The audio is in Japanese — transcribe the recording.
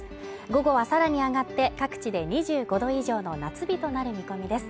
午後はさらに上がって各地で２５度以上の夏日となる見込みです